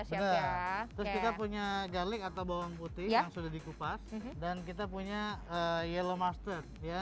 sudah terus kita punya galik atau bawang putih yang sudah dikupas dan kita punya yellow masterd ya